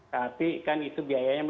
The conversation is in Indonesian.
tapi kan itu biayanya